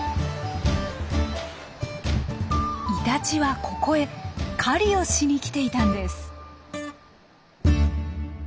イタチはここへ狩りをしに来ていたんです。